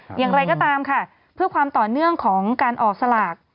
อย่างไรก็ตามค่ะเพื่อความต่อเนื่องของการออกสลาก